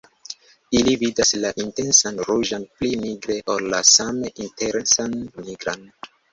Ili vidas la intensan ruĝan pli nigre ol la same intensan nigran.